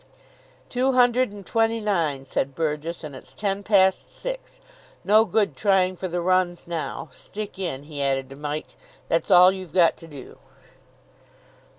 "Two hundred and twenty nine," said Burgess, "and it's ten past six. No good trying for the runs now. Stick in," he added to Mike. "That's all you've got to do."